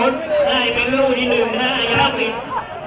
นายเป็นลูกที่หนึ่งนะอย่าปิด